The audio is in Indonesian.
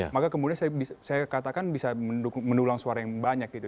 maka kemudian saya katakan bisa mendulang suara yang banyak gitu